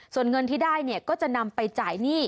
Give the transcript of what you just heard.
ส่วนเงินที่ได้เนี่ยก็จะนำไปจ่ายหนี้